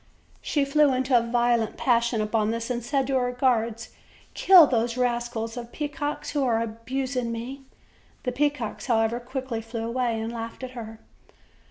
She flew into a violent passion upon this, and said to her guards: "Kill these rascals of peacocks who are abusing me." The peacocks, however, quickly flew away, and laughed at her.